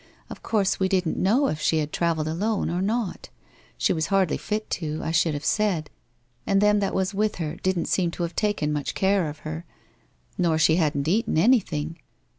Of course we didn't know if she had travelled alone or not? She was hardly fit to, I should have said, and them that was with her didn't seem to have taken much care of her. Nor she hadn't eaten anything.